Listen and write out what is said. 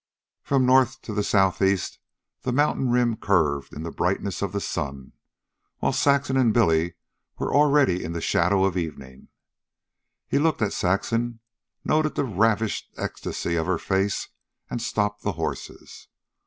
From north to southeast, the mountain rim curved in the brightness of the sun, while Saxon and Billy were already in the shadow of evening. He looked at Saxon, noted the ravished ecstasy of her face, and stopped the horses.